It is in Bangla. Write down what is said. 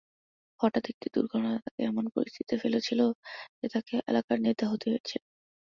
হঠাৎ একটি দুর্ঘটনা তাকে এমন পরিস্থিতিতে ফেলেছিল যে তাকে এলাকার নেতা হতে হয়েছিল।